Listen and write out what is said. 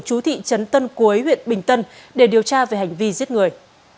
chú thị trấn tân cuối huyện bình tân để điều tra về hành vi giết người